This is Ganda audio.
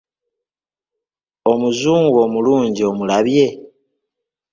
Omuzungu omulungi omulabye?